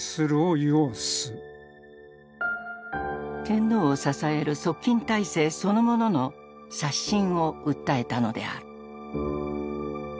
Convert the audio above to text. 天皇を支える側近体制そのものの刷新を訴えたのである。